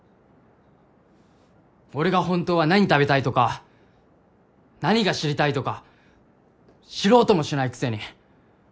俺がホントは何食べたいとか何が知りたいとか知ろうともしないくせに。